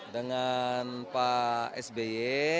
dengan pak sby